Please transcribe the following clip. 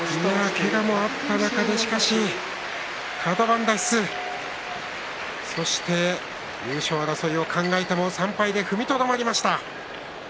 けがもあった中でしかし、カド番脱出、そして優勝争いを考えても３敗で踏みとどまりました。